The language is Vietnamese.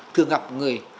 thường gặp người